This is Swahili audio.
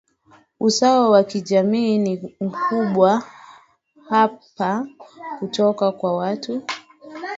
usawa wa kijamii ni mkubwa hapa kutoka kwa watu